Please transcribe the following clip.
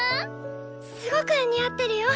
すごく似合ってるよ。